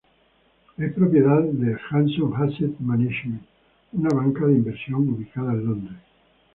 Es propiedad de Hanson Asset Management, una banca de inversión ubicada en Londres.